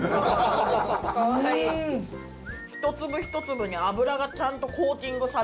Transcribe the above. １粒１粒に油がちゃんとコーティングされている。